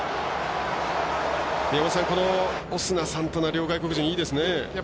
宮本さん、オスナ、サンタナ両外国人いいですね。